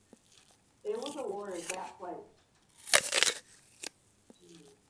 It was awarded that place.